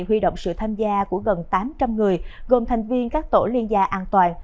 huy động sự tham gia của gần tám trăm linh người gồm thành viên các tổ liên gia an toàn